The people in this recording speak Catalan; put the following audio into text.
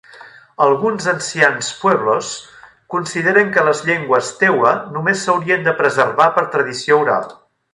Alguns ancians pueblos consideren que les llengües tewa només s'haurien de preservar per tradició oral.